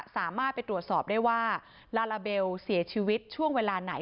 สามารถไปตรวจสอบได้ว่าลาลาเบลเสียชีวิตช่วงเวลาไหน